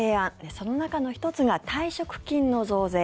その中の１つが退職金の増税。